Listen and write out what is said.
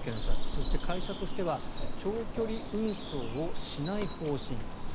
そして会社としては長距離輸送をしない方針と。